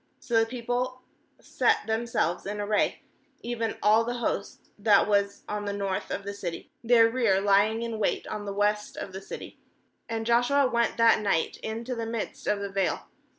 uSo the people set themselves in array, even all the host that was on the north of the city, their rear lying in wait on the west of the city; and Joshua went that night into the midst of the vale.